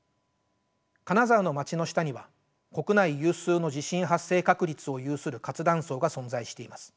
金沢の街の下には国内有数の地震発生確率を有する活断層が存在しています。